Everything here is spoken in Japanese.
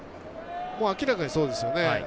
明らかにそうですね。